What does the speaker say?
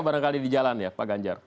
barangkali di jalan ya pak ganjar